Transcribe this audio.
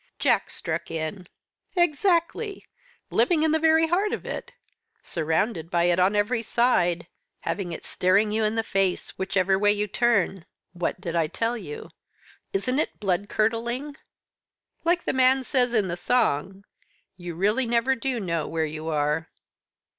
Jack struck in. "Exactly living in the very heart of it; surrounded by it on every side; having it staring you in the face whichever way you turn. What did I tell you? Isn't it blood curdling? Like the man says in the song you really never do know where you are."